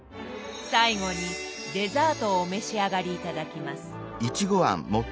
最後にデザートをお召し上がり頂きます。